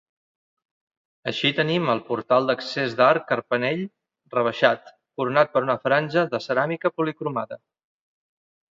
Així tenim el portal d’accés d’arc carpanell rebaixat, coronat per una franja de ceràmica policromada.